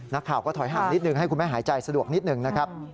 นักข่าวก็ถอยห่างนิดนึงให้คุณแม่หายใจสะดวกนิดหนึ่งนะครับ